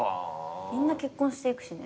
みんな結婚していくしね。